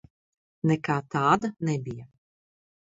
Nekā tāda nebija.